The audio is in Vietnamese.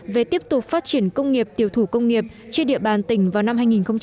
về tiếp tục phát triển công nghiệp tiểu thủ công nghiệp trên địa bàn tỉnh vào năm hai nghìn hai mươi